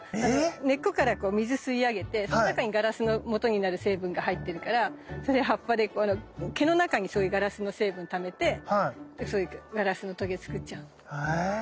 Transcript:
根っこから水吸い上げてその中にガラスのもとになる成分が入ってるからそれ葉っぱで毛の中にそういうガラスの成分ためてそういうガラスのとげ作っちゃうの。へ。